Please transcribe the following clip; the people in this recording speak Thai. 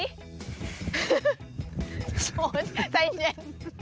โอ้โฮใจเย็น